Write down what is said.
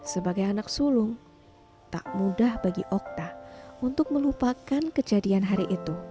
sebagai anak sulung tak mudah bagi okta untuk melupakan kejadian hari itu